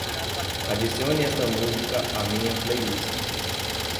Adicione esta música à minha playlist.